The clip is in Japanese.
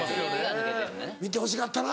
見てほしかったな